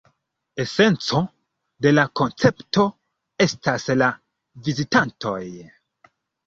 Esenco de la koncepto estas la vizitantoj.